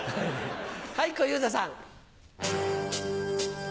はい小遊三さん。